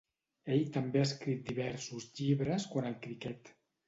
Ell també ha escrit diversos llibres quant al criquet.